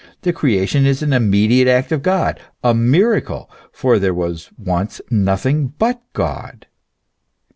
The creation is an immediate act of God, a miracle, for there was once nothing but God.